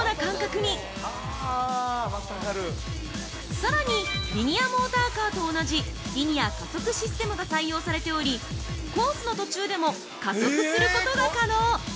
◆さらにリニアモーターカーと同じリニア加速システムが採用されておりコースの途中でも加速することが可能！